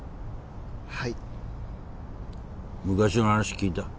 はい昔の話聞いた？